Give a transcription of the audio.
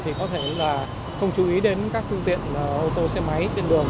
thì có thể là không chú ý đến các phương tiện ô tô xe máy trên đường